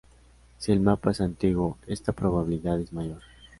Si el mapa es antiguo, esta probabilidad es mayor.